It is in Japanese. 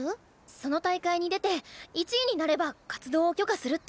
その大会に出て１位になれば活動を許可するって。